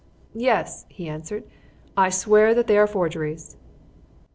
"Yes," he answered; "I swear that they are forgeries."